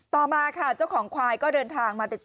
ต่อมาค่ะเจ้าของควายก็เดินทางมาติดต่อ